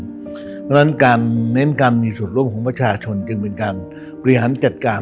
เพราะฉะนั้นการเน้นการมีส่วนร่วมของประชาชนจึงเป็นการบริหารจัดการ